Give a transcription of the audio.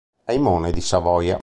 Aimone di Savoia